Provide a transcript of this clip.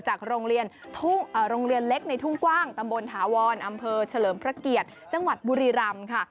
โรงเรียนโรงเรียนเล็กในทุ่งกว้างตำบลถาวรอำเภอเฉลิมพระเกียรติจังหวัดบุรีรำค่ะ